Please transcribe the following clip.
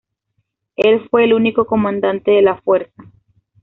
Él fue el último comandante de la fuerza.